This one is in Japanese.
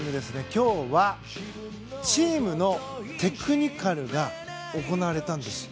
今日はチームテクニカルが行われたんです。